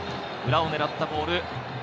裏を狙ったボール。